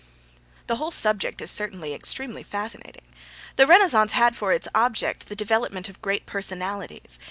The whole subject is certainly extremely fascinating. The Renaissance had for its object the development of great personalities.